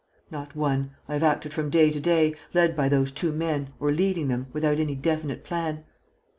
"Not one. I have acted from day to day, led by those two men or leading them, without any definite plan."